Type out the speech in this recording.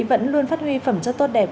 vẫn luôn phát huy phẩm chất tốt đẹp